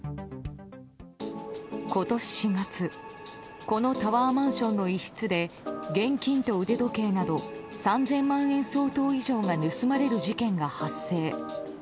今年４月このタワーマンションの一室で現金と腕時計など３０００万円相当以上が盗まれる事件が発生。